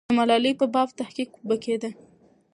د ملالۍ په باب تحقیق به کېده.